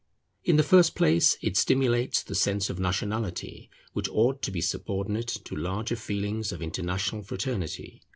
In the first place it stimulates the sense of nationality which ought to be subordinate to larger feelings of international fraternity.